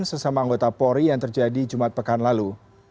sesama anggota pori yang terjadi jumat pekan lalu